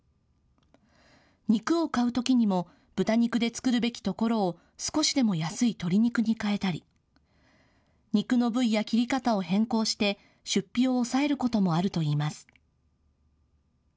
肉を買うときにも、豚肉で作るべきところを、少しでも安い鶏肉に替えたり、肉の部位や切り方を変更して、出費を抑えることもあるといいます。